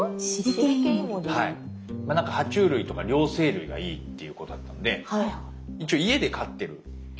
まあ何かは虫類とか両生類がいいっていうことだったんで一応家で飼ってるシリケンイモリ。